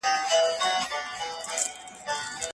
امام قرطبي د خلیفه په تفسیر کي مهم ټکي بیان کړي دي.